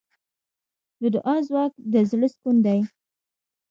د دعا ځواک د زړۀ سکون دی.